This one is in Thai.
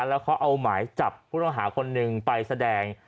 แล้วเขาเอาหมายจับผู้ต้องหาคนหนึ่งไปแสดง